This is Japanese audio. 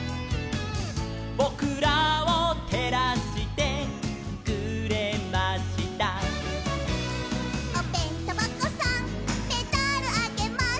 「ぼくらをてらしてくれました」「おべんとばこさんメダルあげます」